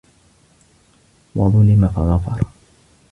وَظُلِمَ فَغَفَرَ